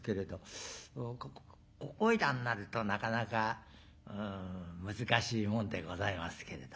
ここいらになるとなかなか難しいもんでございますけれど。